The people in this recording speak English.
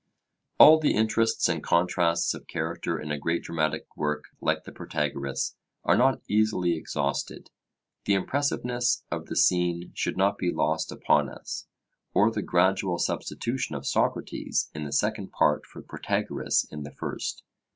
All the interests and contrasts of character in a great dramatic work like the Protagoras are not easily exhausted. The impressiveness of the scene should not be lost upon us, or the gradual substitution of Socrates in the second part for Protagoras in the first.